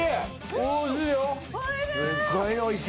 おいしい！